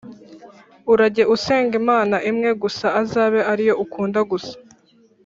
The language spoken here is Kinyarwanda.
Urajye usenga Imana imwe gusa azabe ariyo ukunda gusa